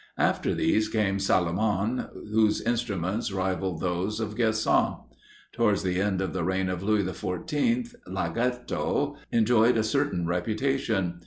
After these came Salomon, whose instruments rivalled those of Guersan. Towards the end of the reign of Louis the Fourteenth, Lagetto enjoyed a certain reputation.